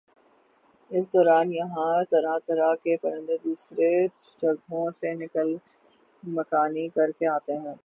اس دوران یہاں طرح طرح کے پرندے دوسری جگہوں سے نقل مکانی کرکے آتے ہیں